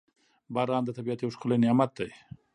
• باران د طبیعت یو ښکلی نعمت دی.